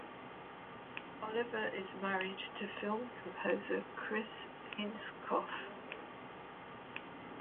Oliver is married to film composer Chris Ainscough.